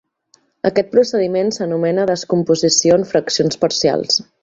Aquest procediment s'anomena descomposició en fraccions parcials.